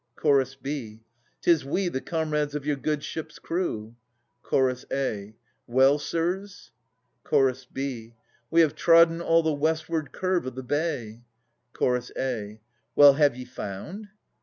Ch. b. 'Tis we, the comrades of your good ship's crew. Ch. a. Well, sirs? Ch. b. We have trodden all the westward curve o' the bay. Ch. A. Well, have ye found?